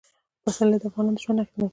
پسرلی د افغانانو ژوند اغېزمن کوي.